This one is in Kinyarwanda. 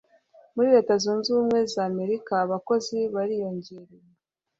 muri leta zunze ubumwe za amerika abakozi bariyongereye